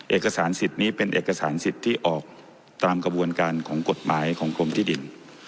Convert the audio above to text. เอกสารสิทธิ์นี้เป็นเอกสารสิทธิ์ที่ออกตามกระบวนการของกฎหมายของกรมที่ดิน